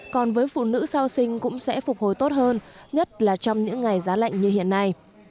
còn với phụ nữ sau sinh cũng sẽ phục hồi tốt hơn nhất là trong những ngày giá lạnh như hiện nay